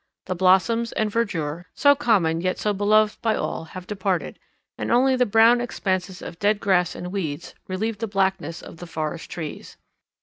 The blossoms and verdure, so common yet so beloved by all, have departed, and only the brown expanses of dead grass and weeds relieve the blackness of the forest trees.